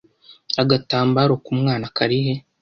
Agatambaro ku mwana karihe